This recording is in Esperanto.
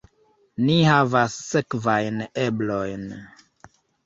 Ni havas sekvajn eblojn.